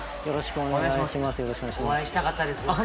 よろしくお願いします